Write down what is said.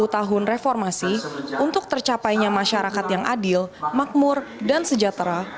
sepuluh tahun reformasi untuk tercapainya masyarakat yang adil makmur dan sejahtera